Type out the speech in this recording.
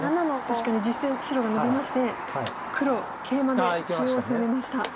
確かに実戦白がノビまして黒ケイマで中央を攻めました。